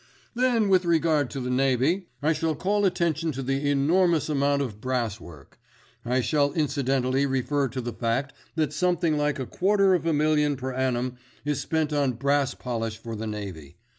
"Then with regard to the Navy, I shall call attention to the enormous amount of brass work. I shall incidentally refer to the fact that something like a quarter of a million per annum is spent on brass polish for the Navy.